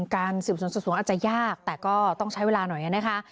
การสืบสวนสอบสวนอาจจะยากแต่ก็ต้องใช้เวลาหน่อยนะคะ